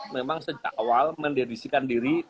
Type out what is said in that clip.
memang sejak awal menderisikan diri